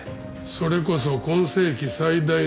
それこそ今世紀最大の謎だ。